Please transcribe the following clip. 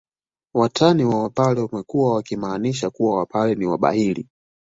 Watani wa wapare wamekuwa wakimaanisha kuwa wapare ni wabahili